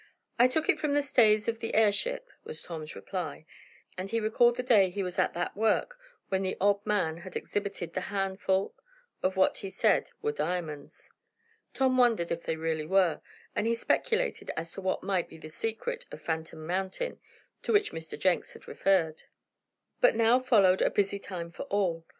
"I took it from the stays of the airship," was Tom's reply, and he recalled the day he was at that work, when the odd man had exhibited the handful of what he said were diamonds. Tom wondered if they really were, and he speculated as to what might be the secret of Phantom Mountain, to which Mr. Jenks had referred. But now followed a busy time for all.